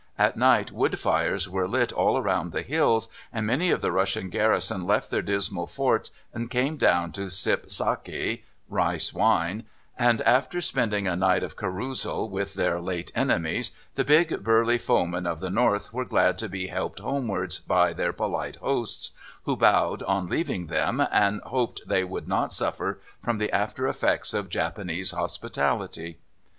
At night wood fires were lit all round the hills, and many of the Russian garrison left their dismal forts and came down to sip saké (rice wine), and after spending a night of carousal with their late enemies, the big, burly foemen of the North were glad to be helped homewards by their polite hosts, who bowed on leaving them and hoped they would not suffer from the after effects of Japanese hospitality.